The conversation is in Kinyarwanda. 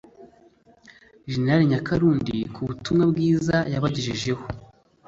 Gen Nyakarundi ku butumwa bwiza yabagejejeho